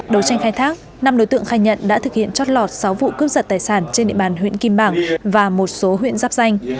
đầu tranh khai thác năm đối tượng khai nhận đã thực hiện chót lọt sáu vụ cướp giật tài sản trên địa bàn huyện kim bảng và một số huyện giáp danh